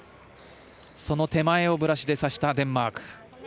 その手前をブラシで指したデンマーク。